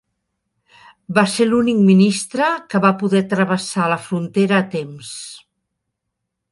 Va ser l'únic ministre que va poder travessar la frontera a temps.